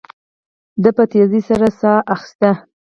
ده په تيزۍ سره ساه اخيسته.